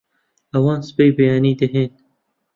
ئەوان سبەی بەیانی دەهێن